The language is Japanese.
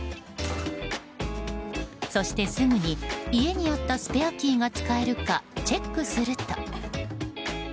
そしてすぐに家にあったスペアキーが使えるかチェックすると。